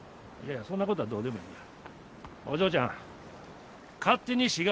いやそんなことはどうでもええねや。